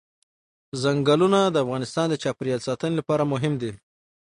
ځنګلونه د افغانستان د چاپیریال ساتنې لپاره مهم دي.